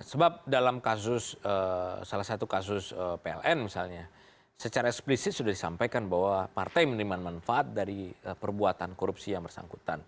sebab dalam kasus salah satu kasus pln misalnya secara eksplisit sudah disampaikan bahwa partai menerima manfaat dari perbuatan korupsi yang bersangkutan